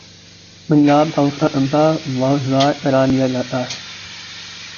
پنجاب ہاؤسوں کا قبضہ واگزار کرا لیا جاتا۔